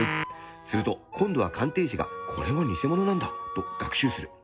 すると今度は鑑定士が「これはニセ物なんだ」と学習する。